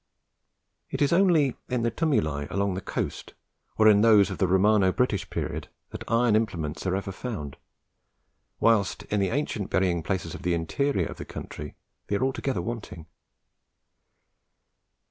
It is only in the tumuli along the coast, or in those of the Romano British period, that iron implements are ever found; whilst in the ancient burying places of the interior of the country they are altogether wanting.